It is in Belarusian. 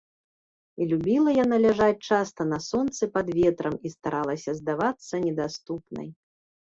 І любіла яна ляжаць часта на сонцы пад ветрам і старалася здавацца недаступнай.